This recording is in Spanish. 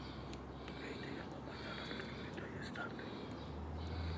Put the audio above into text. La avenida del río está ubicada en la isla de La Loma.